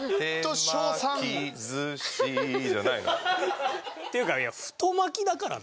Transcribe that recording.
「手巻きずし」じゃないの？っていうか太巻きだからねあれ。